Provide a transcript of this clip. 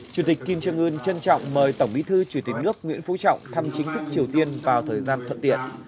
chủ tịch kim trương ưn trân trọng mời tổng bí thư chủ tịch nước nguyễn phú trọng thăm chính thức triều tiên vào thời gian thuận tiện